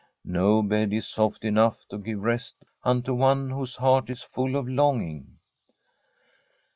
No bed is soft enough to give rest unto one whose heart is full of longing.